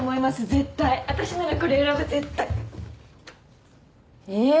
絶対私ならこれ選ぶ絶対ええー